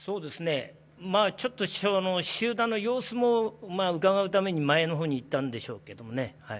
ちょっと集団の様子もうかがうために前の方に行ったんでしょうけどね。